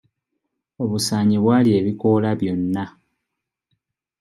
Obusaanyi bwalya ebikoola byonna.